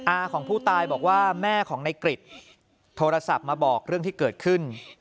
อาของผู้ตายบอกว่าแม่ของนายกริจโทรศัพท์มาบอกเรื่องที่เกิดขึ้น